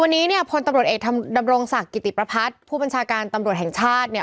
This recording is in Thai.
วันนี้เนี่ยพลตำรวจเอกดำรงศักดิ์กิติประพัฒน์ผู้บัญชาการตำรวจแห่งชาติเนี่ย